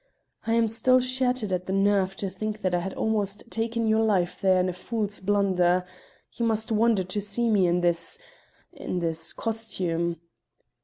"I am still shattered at the nerve to think that I had almost taken your life there in a fool's blunder. You must wonder to see me in this in this costume."